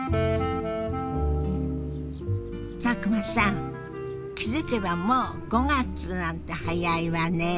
佐久間さん気付けばもう５月なんて早いわね。